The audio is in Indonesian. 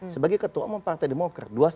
sebagai ketua umum partai demokrat